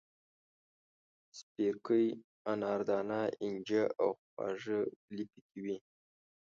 سپیرکۍ، اناردانه، اینجه او خواږه ولي پکې وې.